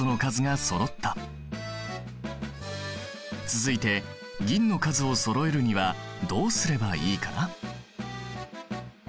続いて銀の数をそろえるにはどうすればいいかな？